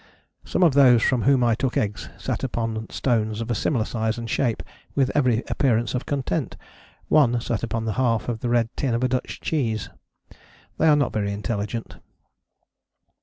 Some of those from whom I took eggs sat upon stones of a similar size and shape with every appearance of content: one sat upon the half of the red tin of a Dutch cheese. They are not very intelligent.